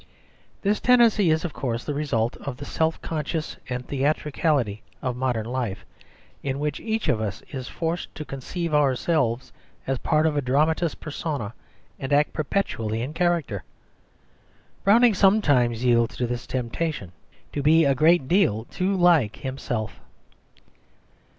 This tendency is, of course, the result of the self consciousness and theatricality of modern life in which each of us is forced to conceive ourselves as part of a dramatis personæ and act perpetually in character. Browning sometimes yielded to this temptation to be a great deal too like himself.